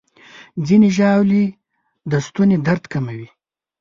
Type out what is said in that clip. ځینې ژاولې د ستوني درد کموي.